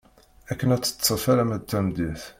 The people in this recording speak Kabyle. Akken ad teṭṭef alamma d tameddit.